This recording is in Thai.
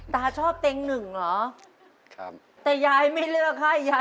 ตาชอบเต้งหนึ่งเหรอแต่ยายไม่เลือกให้ยายเลือกครับ